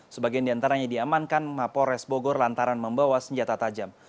sebagian diantaranya diamankan mapores bogor lantaran membawa senjata tajam